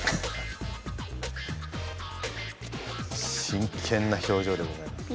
真剣な表情でございます。